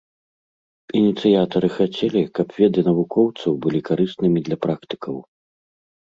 Ініцыятары хацелі, каб веды навукоўцаў былі карыснымі для практыкаў.